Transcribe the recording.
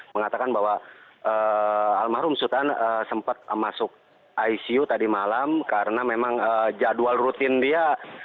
mengatakan bahwa almarhum sultan sempat masuk icu tadi malam karena memang jadwal rutin dia